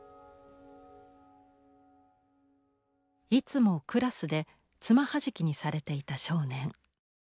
いつもクラスで爪はじきにされていた少年。